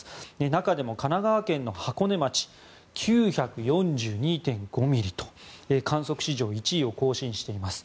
中でも神奈川県の箱根町９４２．５ミリと観測史上１位を更新しています。